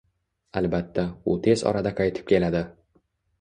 Albatta, u tez orada qaytib keladi